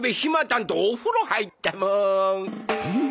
たんとお風呂入ったもん。